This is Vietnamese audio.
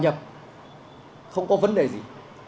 nhập không có vấn đề gì